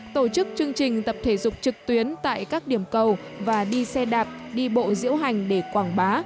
tổ chức chương trình tập thể dục trực tuyến tại các điểm cầu và đi xe đạp đi bộ diễu hành để quảng bá